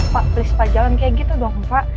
pak please pak jangan kayak gitu dong pak